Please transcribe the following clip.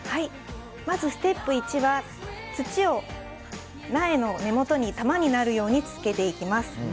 まずステップ１は土を苗の根元に玉になるようにつけていきます。